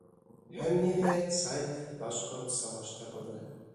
Һәм, ниһайәт, сайт башҡортсалаштырылды!